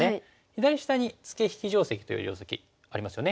左下にツケ引き定石という定石ありますよね。